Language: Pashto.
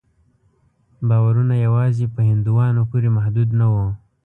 باورونه یوازې په هندوانو پورې محدود نه وو.